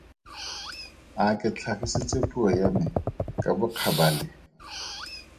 A ke tlhagisitse puo ya me ka bokgabale?